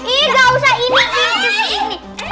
iya gausah ini ini